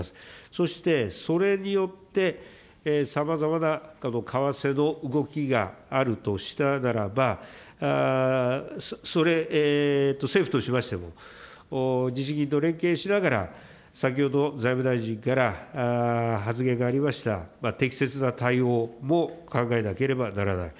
そして、それによってさまざまな為替の動きがあるとしたならば、それ、政府としましても、日銀と連携しながら、先ほど、財務大臣から発言がありました、適切な対応も考えなければならない。